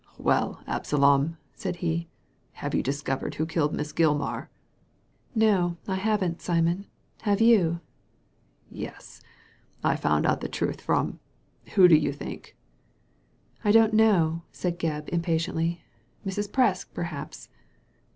Well, Absalom," said he, " have you discovered who killed Miss Gilmar ?"" No, I haven't, Simon ; have you ?"*' Yes. I found out the truth from — ^who do you think?" "I don't know," said Gebb, impatiently. •'Mrs. Presk, perhaps."